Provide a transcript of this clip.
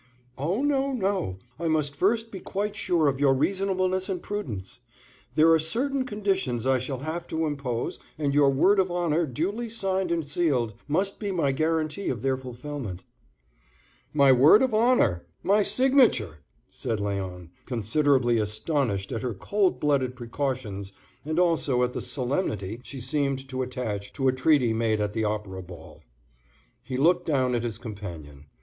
"Oh, no, no; I must first be quite sure of your reasonableness and prudence. There are certain conditions I shall have to impose, and your word of honor duly signed and sealed, must be my guarantee of their fulfilment." "My word of honor! My signature!" said Léon, considerably astonished at her cold blooded precautions and also at the solemnity she seemed to attach to a treaty made at the Opera Ball. He looked down at his companion.